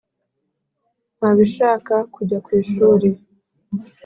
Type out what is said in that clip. ntabishaka ku kujya ku ishuri